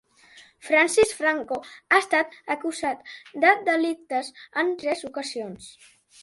Francis Franco ha estat acusat de delictes en tres ocasions.